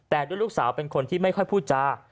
แต่ด้วยลูกสาวเป็นคนที่ไม่ค่อยพูดจา